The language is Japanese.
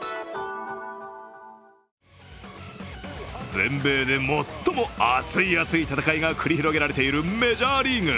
全米で最も熱い熱い戦いが繰り広げられているメジャーリーグ。